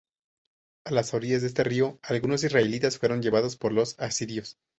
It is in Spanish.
A las orillas de este río algunos israelitas fueron llevados por los asirios.